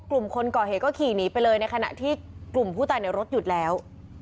กลุ่มคนก่อเหตุก็ขี่หนีไปเลยในขณะที่กลุ่มผู้ตายในรถหยุดแล้ว